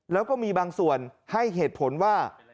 แล้วก็มีบางส่วนให้เหตุผลว่า